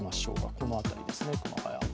この辺りですね、熊谷。